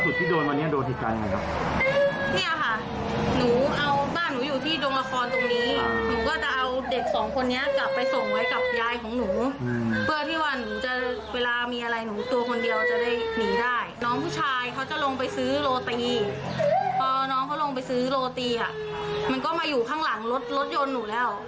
น้องตกกระจายขึ้นรถมาคืออ่ะทำท่าปลั๊กปืนแล้ว